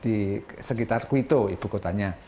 di sekitar quito ibu kotanya